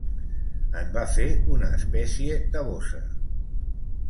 En va fer una espècie de bossa.